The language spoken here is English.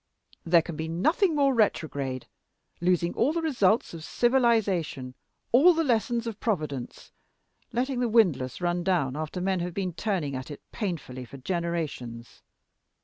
There can be nothing more retrograde losing all the results of civilization, all the lessons of Providence letting the windlass run down after men have been turning at it painfully for generations.